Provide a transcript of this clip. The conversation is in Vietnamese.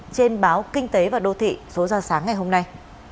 trên báo kinh tế và đô thị số ra sáng ngày hôm nay